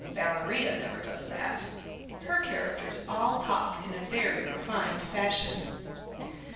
Valeria never does that. Her characters all talk in a very refined fashion."